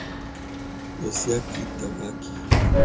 Yoshiaki Takagi